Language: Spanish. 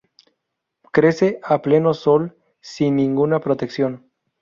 Crece a Pleno sol sin ninguna protección.